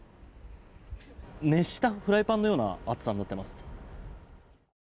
熱したフライパンのような熱さになっています。